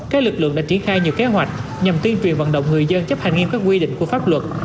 các lực lượng đã triển khai nhiều kế hoạch nhằm tuyên truyền vận động người dân chấp hành nghiêm các quy định của pháp luật